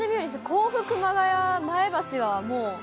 甲府、熊谷、前橋はもう。